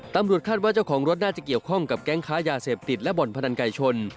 ตำรวจคาดว่าเจ้าของรถน่าจะเกี่ยวข้องกับแก๊งค้ายาเสพติดและบ่อนพนันไก่ชน